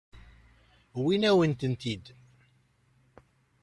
Wwin-awen-tent-id.